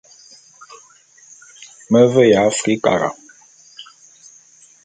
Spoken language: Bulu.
Me veya Afrikara.